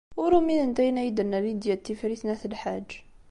Ur uminent ayen ay d-tenna Lidya n Tifrit n At Lḥaǧ.